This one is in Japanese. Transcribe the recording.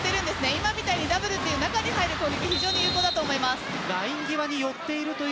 今みたいにダブルで中に入る攻撃非常に有効だと思います。